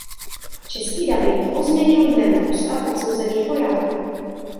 Český dabing pozměnil jména postav odsouzených vojáků.